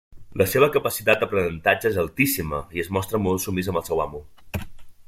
La seva capacitat d'aprenentatge és altíssima i es mostra molt submís amb el seu amo.